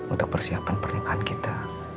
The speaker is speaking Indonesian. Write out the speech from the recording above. untuk persiapan pernikahan kita